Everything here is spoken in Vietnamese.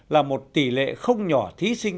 là một tỷ lệ không nhỏ thí sinh